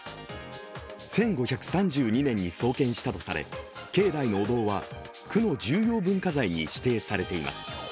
１５３２年に創建したとされ、境内のお堂は区の重要文化財に指定されています。